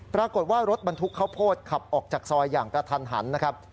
ปรากฏว่ารถบรรทุกข้าวโพดขับออกจากซอยอย่างกระทันหันนะครับ